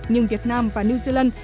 nhưng việt nam và new zealand